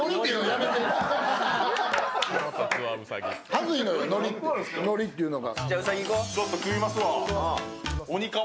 恥ずいのよ、ノリっていうのが。